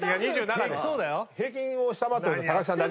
平均下回ってるの木さんだけ。